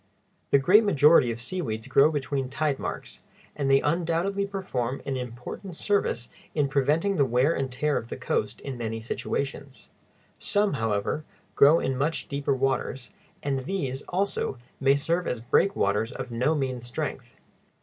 The great majority of seaweeds grow between tide marks, and they undoubtedly perform an important service in preventing the wear and tear of the coast in many situations. Some, however, grow in much deeper waters, and these, also, may serve as breakwaters of no mean strength.